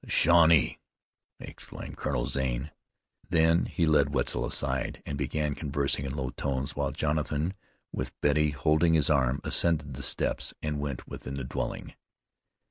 "The Shawnee!" exclaimed Colonel Zane. Then he led Wetzel aside, and began conversing in low tones while Jonathan, with Betty holding his arm, ascended the steps and went within the dwelling.